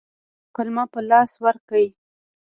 پلمه په لاس ورکړي.